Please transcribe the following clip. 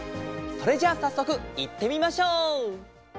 それじゃあさっそくいってみましょう！